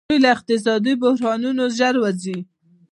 دوی له اقتصادي بحرانونو ژر وځي.